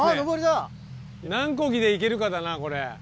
何コギで行けるかだなこれ。